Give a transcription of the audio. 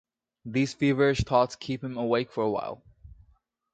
These feverish thoughts keep him awake for a while.